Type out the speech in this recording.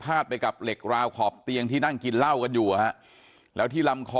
ไปกับเหล็กราวขอบเตียงที่นั่งกินเหล้ากันอยู่แล้วที่ลำคอ